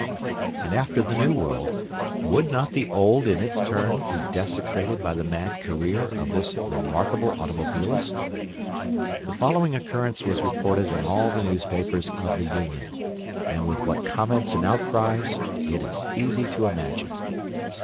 And after the New World, would not the Old in its turn, be desecrated by the mad career of this remarkable automobilist? The following occurrence was reported in all the newspapers of the Union, and with what comments and outcries it is easy to imagine.